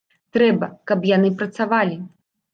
Трэба, каб яны працавалі.